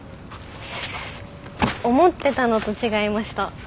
思ってたのと違いました。